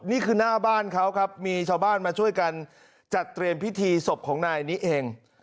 นี่คือหน้าบ้านเขาครับมีชาวบ้านมาช่วยกันจัดเตรียมพิธีศพของนายนี้เอง